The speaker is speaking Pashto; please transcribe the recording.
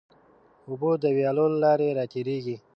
اوبه د ویالو له لارې راتېرېږي.